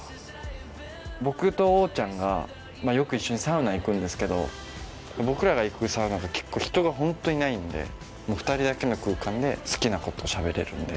僕とオウちゃんがよく一緒にサウナ行くんですけど僕らが行くサウナって結構人がホントいないんで２人だけの空間で好きなことしゃべれるんで。